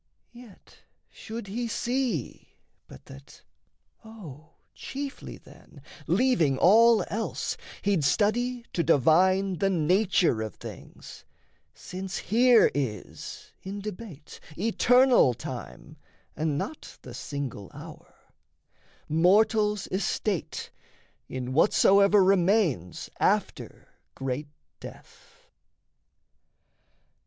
Yet should he see but that, O chiefly then, Leaving all else, he'd study to divine The nature of things, since here is in debate Eternal time and not the single hour, Mortal's estate in whatsoever remains After great death.